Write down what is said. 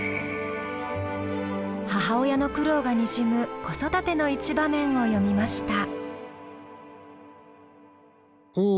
母親の苦労がにじむ「子育て」の一場面を詠みました。